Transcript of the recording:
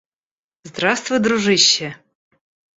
Здравствуй, дружище.